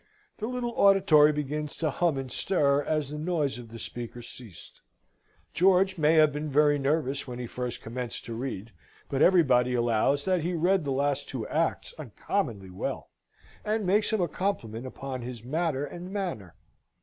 The little auditory begins to hum and stir as the noise of the speaker ceased. George may have been very nervous when he first commenced to read; but everybody allows that he read the last two acts uncommonly well, and makes him a compliment upon his matter and manner.